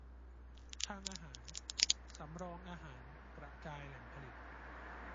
ทางอาหาร : สำรองอาหาร กระจายแหล่งผลิต